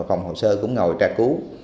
phòng hồ sơ cũng ngồi tra cứu